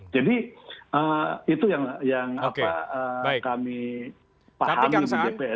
jadi itu yang kami pahami